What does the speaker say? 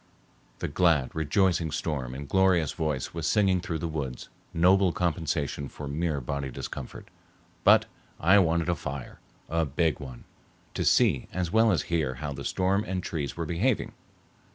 The glad, rejoicing storm in glorious voice was singing through the woods, noble compensation for mere body discomfort. But I wanted a fire, a big one, to see as well as hear how the storm and trees were behaving.